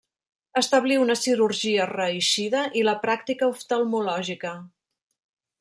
Establí una cirurgia reeixida i la pràctica oftalmològica.